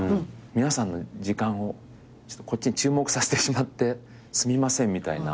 皆さんの時間をこっちに注目させてしまってすみませんみたいな。